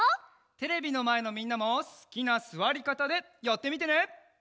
テレビのまえのみんなもすきなすわりかたでやってみてね。